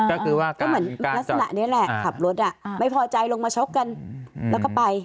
ก็เหมือนลักษณะนี้แหละขับรถอ่ะไม่พอใจลงมาช็อกกันแล้วก็ไป